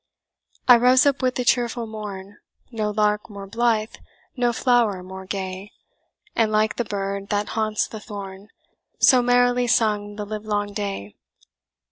"I rose up with the cheerful morn, No lark more blithe, no flower more gay; And like the bird that haunts the thorn, So merrily sung the livelong day.